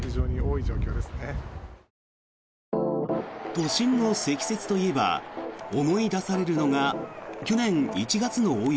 都心の積雪といえば思い出されるのが去年１月の大雪。